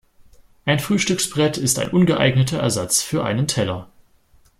Ein Frühstücksbrett ist ein ungeeigneter Ersatz für einen Teller.